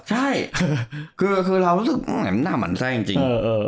ใช่คือเรารู้สึกหน้าหมั่นไส้จริง